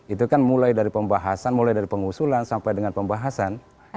itu kan mulai dari pembahasan mulai dari pengusulan sampai dengan pembahasan